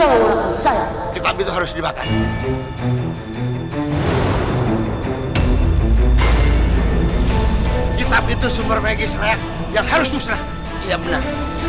orang saya kitab itu harus dimakan kitab itu sumber magis layak yang harus musnah iya benar